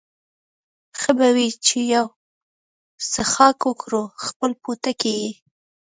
ښه به وي چې یو څښاک وکړو، خپل پوټکی یې.